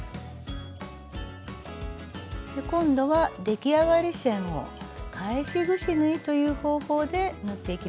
今度は出来上がり線を「返しぐし縫い」という方法で縫っていきます。